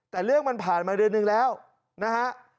แต่เรื่องมันผ่านมาเดือนหนึ่งแล้วนะฮะ